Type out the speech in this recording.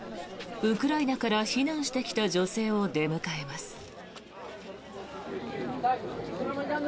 ウクライナから避難してきた女性を出迎えます。